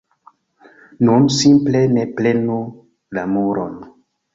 Nun, simple ne prenu la muron